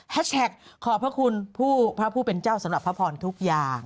แท็กขอบพระคุณพระผู้เป็นเจ้าสำหรับพระพรทุกอย่าง